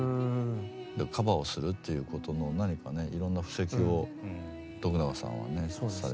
だからカバーをするっていうことの何かねいろんな布石を永さんはねされてこられたかもしれない。